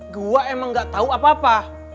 gue emang gak tahu apa apa